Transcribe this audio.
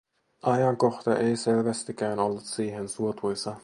Ajankohta ei selvästikään ollut siihen suotuisa.